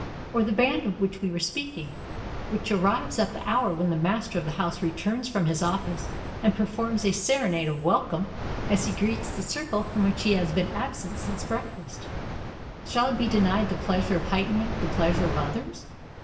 Or the band of which we were speaking, which arrives at the hour when the master of the house returns from his office, and performs a serenade of welcome as he greets the circle from which he has been absent since breakfast, shall it be denied the pleasure of heightening the pleasure of others?